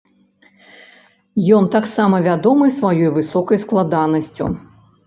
Ён таксама вядомы сваёй высокай складанасцю.